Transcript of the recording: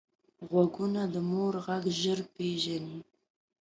غوږونه د مور غږ ژر پېژني